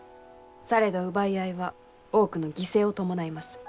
されど奪い合いは多くの犠牲を伴います。